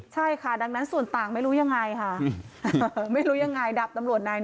ใช่ค่ะดังนั้นส่วนต่างไม่รู้ยังไงค่ะไม่รู้ยังไงดับตำรวจนาย